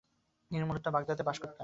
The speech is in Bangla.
তিনি মূলত বাগদাদে বাস করতে থাকেন।